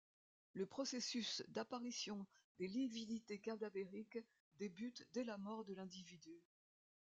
Le processus d'apparition des lividités cadavériques débute dès la mort de l'individu.